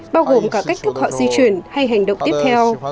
bao gồm cả cách thức họ di chuyển hay hành động tiếp theo